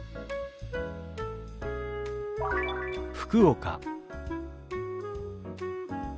「福岡」。